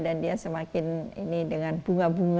dan dia semakin ini dengan bunga bunga